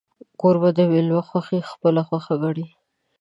کوربه د میلمه خوښي خپله خوښي ګڼي.